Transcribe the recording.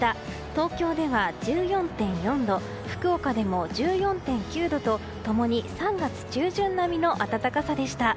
東京では１４．４度福岡でも１４．９度と共に３月中旬並みの暖かさでした。